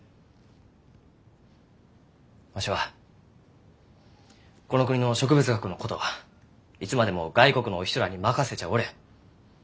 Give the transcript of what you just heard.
わしはこの国の植物学のことはいつまでも外国のお人らに任せちゃあおれん。